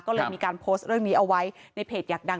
ก็เลยมีการโพสต์เรื่องนี้เอาไว้ในเพจอยากดัง